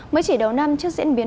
mới chỉ đầu năm trước diễn biến